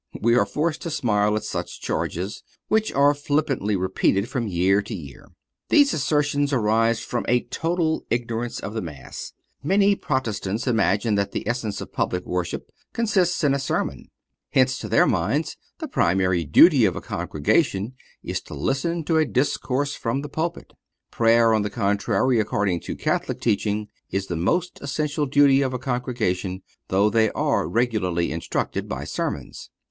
We are forced to smile at such charges, which are flippantly repeated from year to year. These assertions arise from a total ignorance of the Mass. Many Protestants imagine that the essence of public worship consists in a sermon. Hence, to their minds, the primary duty of a congregation is to listen to a discourse from the pulpit. Prayer, on the contrary, according to Catholic teaching, is the most essential duty of a congregation, though they are also regularly instructed by sermons.